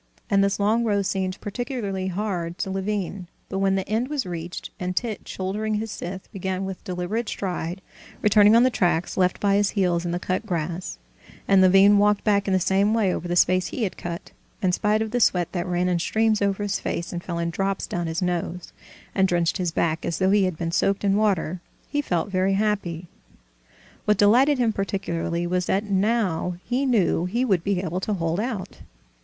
And this long row seemed particularly hard work to Levin; but when the end was reached and Tit, shouldering his scythe, began with deliberate stride returning on the tracks left by his heels in the cut grass, and Levin walked back in the same way over the space he had cut, in spite of the sweat that ran in streams over his face and fell in drops down his nose, and drenched his back as though he had been soaked in water, he felt very happy. What delighted him particularly was that now he knew he would be able to hold out.